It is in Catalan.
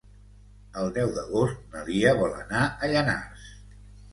El deu d'agost na Lia vol anar a Llanars.